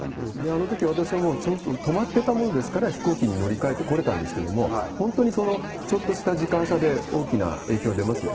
あのとき、私はもう、ちょっと止まってたもんですから、飛行機に乗り換えて来れたんですけれども、本当にそのちょっとした時間差で大きな影響出ますよね。